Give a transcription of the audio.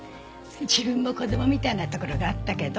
自分も子供みたいなところがあったけど。